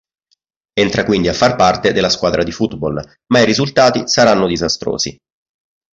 Entra quindi a far parte della squadra di football, ma i risultati saranno disastrosi.